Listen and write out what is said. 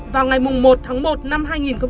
vào ngày một tháng một năm hai nghìn một mươi hai